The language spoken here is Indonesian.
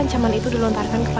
dan aku harap